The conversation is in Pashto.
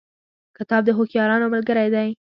کتاب د هوښیارانو ملګری دی.